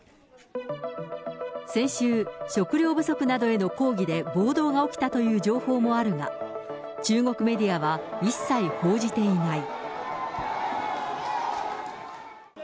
先週、食料不足などへの抗議で暴動が起きたという情報もあるが、中国メディアは一切報じていない。